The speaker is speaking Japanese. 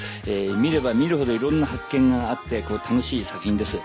見れば見るほどいろんな発見があって楽しい作品です。